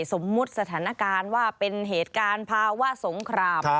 สมมุติสถานการณ์ว่าเป็นเหตุการณ์ภาวะสงคราม